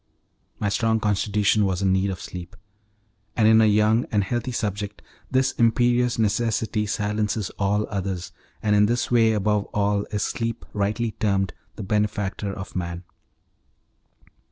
My strong constitution was in need of sleep; and in a young and healthy subject this imperious necessity silences all others, and in this way above all is sleep rightly termed the benefactor of man.